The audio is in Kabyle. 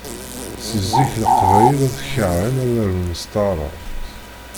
Seg zik Leqbayel kerhen ad arun s taɛrabt.